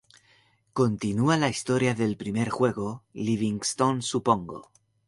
Continúa la historia del primer juego, "Livingstone supongo".